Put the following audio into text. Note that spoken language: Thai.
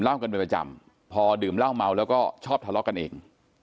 ล่าวกันประจ่มพอดื่มล่าวเมาแล้วก็ชอบทะเลาะกันเอง